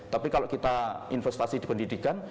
tapi kalau kita investasi di pendidikan